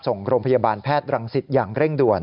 ส่งโรงพยาบาลแพทย์รังสิตอย่างเร่งด่วน